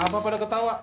kenapa pada ketawa